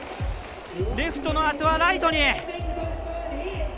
レフトのあとはライトに。